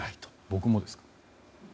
僕もですか？